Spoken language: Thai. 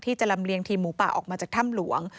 จะลำเลียงทีมหมูป่าออกมาจากถ้ำหลวง